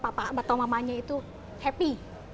bapak atau mamanya itu happy